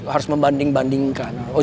harus membanding bandingkan oh jodoh